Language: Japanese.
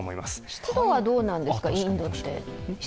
湿度はどうなんですか、インドって。